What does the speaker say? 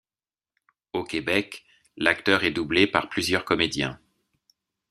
Au Québec, l'acteur est doublé par plusieurs comédiens.